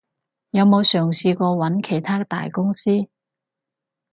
有冇嘗試過揾其它大公司？